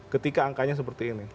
ketika angkanya seperti ini